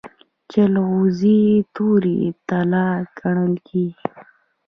جلغوزي تورې طلا ګڼل کیږي.